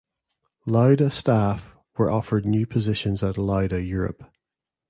Lauda staff were offered new positions at Lauda Europe.